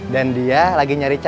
dan dia lagi nyari cinta